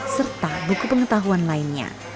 serta buku pengetahuan lainnya